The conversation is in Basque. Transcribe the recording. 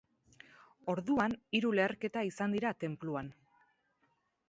Orduan, hiru leherketa izan dira tenpluan.